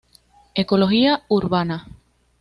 Ecología Urbana.